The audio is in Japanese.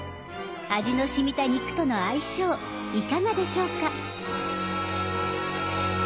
味のしみた肉との相性いかがでしょうか。